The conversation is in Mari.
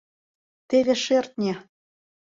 Теве шӧртньӧ!